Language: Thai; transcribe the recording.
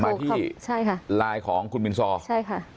มาที่ใช่ค่ะไลน์ของคุณมินซอใช่ค่ะ